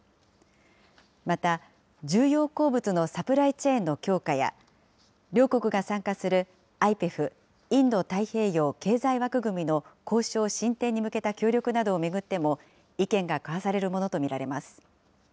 また、重要鉱物のサプライチェーンの強化や両国が参加するＩＰＥＦ・インド太平洋経済枠組みの交渉進展に向けた協力などを巡っても、意見が交わされるものと見られます。